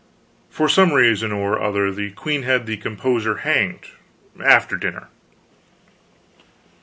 For some reason or other the queen had the composer hanged, after dinner.